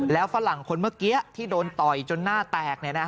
แล้วฝรั่งคนเมื่อกี้ที่โดนต่อยจนหน้าแตก